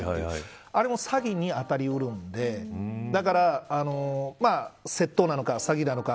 あれも詐欺に当たり得るのでだから、窃盗なのか詐欺なのか。